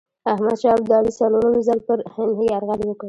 احمدشاه ابدالي څلورم ځل پر هند یرغل وکړ.